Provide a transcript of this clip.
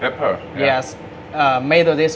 เป็นผิดนี้